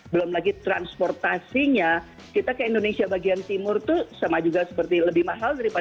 belum lagi transportasinya kita ke indonesia bagian timur itu sama juga seperti lebih mahal daripada